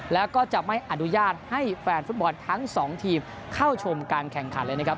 แล้วก็จะไม่อนุญาตให้แฟนฟุตบอลทั้งสองทีมเข้าชมการแข่งขันเลยนะครับ